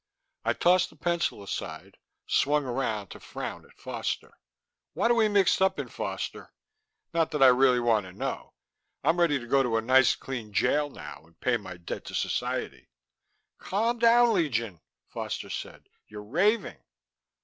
I tossed the pencil aside, swung around to frown at Foster. "What are we mixed up in, Foster? Not that I really want to know. I'm ready to go to a nice clean jail now, and pay my debt to society " "Calm down, Legion," Foster said. "You're raving."